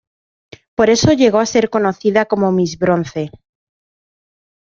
Por eso llegó a ser conocida como "Miss Bronce".